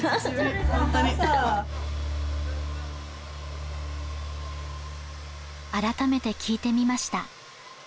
ホントに改めて聞いてみました